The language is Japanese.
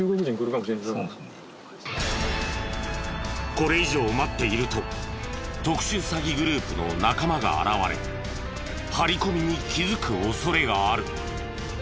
これ以上待っていると特殊詐欺グループの仲間が現れ張り込みに気づく恐れがある。